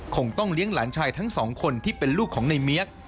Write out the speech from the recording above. คงต้องเลี้ยงหลานชายทั้งสองคนที่เป็นลูกของในเมียก